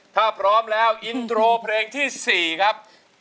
ถ้าพร้อมแล้วอินโทรเพลงที่๔ครับ